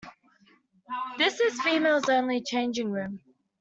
This is females only changing room.